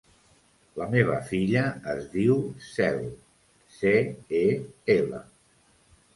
La meva filla es diu Cel: ce, e, ela.